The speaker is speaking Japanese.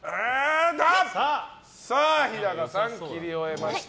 さあ、日高さん切り終えました。